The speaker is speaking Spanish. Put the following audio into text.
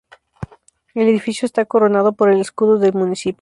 El edificio está coronado por el escudo del municipio.